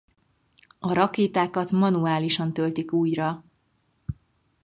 A rakétákat manuálisan töltik újra.